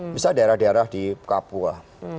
misalnya daerah daerah di papua